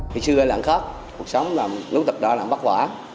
thì xưa là không khóc cuộc sống là lúc tập đoàn là không bắt quả